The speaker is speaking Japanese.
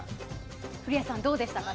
古谷さん、どうでしたか？